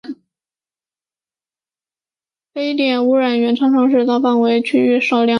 非点源污染常常是大范围区域少量污染物累积而成。